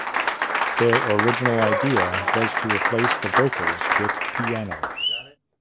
Their original idea was to replace the vocals with piano.